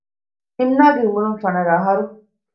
އިމްނާގެ އުމުރުން ފަނަރަ އަހަރު